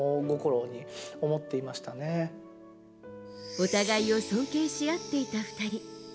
お互いを尊敬し合っていた２人。